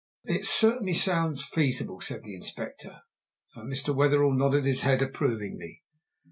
"It certainly sound feasible," said the Inspector, and Mr. Wetherell nodded his head approvingly.